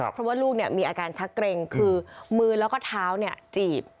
เพราะว่าลูกมีอาการชักเกร็งคือมือแล้วก็เท้าจีบ